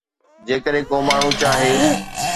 جيڪڏهن ڪو ماڻهو چاهي